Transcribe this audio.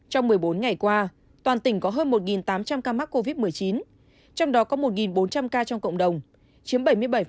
trong một mươi bốn ngày qua toàn tỉnh có hơn một tám trăm linh ca mắc covid một mươi chín trong đó có một bốn trăm linh ca trong cộng đồng chiếm bảy mươi bảy